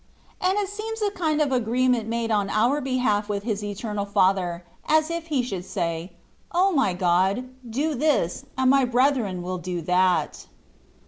And it seems a kind of agreement made on our behalf with His Eternal Father, as if He should say, " O my God ! do this, and my brethren will do that.''